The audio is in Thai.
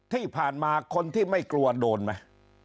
ที่ผ่านมาคนที่ไม่กลัวโดนไหม